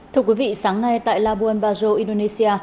thưa quý vị sáng nay tại labuan bajo indonesia